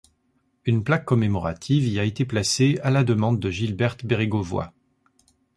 Une plaque commémorative y a été placée à la demande de Gilberte Bérégovoy.